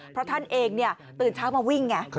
เพราะท่านเองตื่นเช้ามาวิ่งไง